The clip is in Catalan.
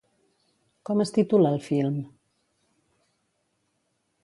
Com es titula el film?